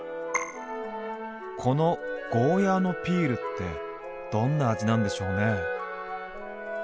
この「ゴーヤーのピール」ってどんな味なんでしょうね？